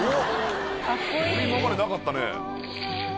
今までなかったね。